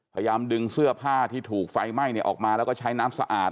พยายามดึงเสื้อผ้าที่ถูกไฟไหม้ออกมาแล้วก็ใช้น้ำสะอาด